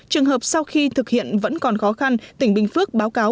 trường hợp sau khi thực hiện vẫn còn khó khăn tỉnh bình phước báo cáo